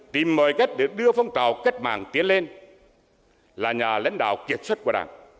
đồng chí lê duẩn tìm mọi cách để đưa phong trào cách mạng tiến lên là nhà lãnh đạo kiệt xuất của đảng